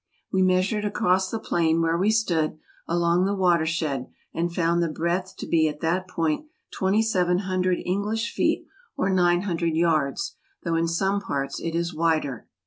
... We measured across the plain, where we stood, along the water¬ shed, and found the breadth to be at that point 2700 English feet or 900 yards, though in some parts it is wider.